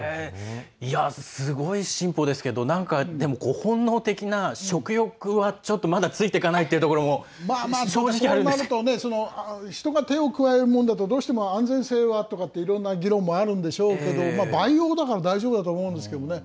すごい進歩ですけどなんか、でも本能的な食欲はちょっとまだついていかないっていうのも人が手を加えるものだと安全性はとかいろんな議論もあるんでしょうけど培養だから大丈夫だと思うんですけどね。